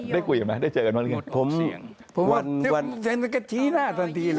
ได้คุยไหมได้เจอกันไมไม่ใกล้